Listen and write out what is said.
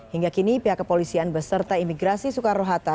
hingga kini pihak kepolisian beserta imigrasi soekarno hatta